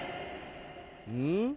うん？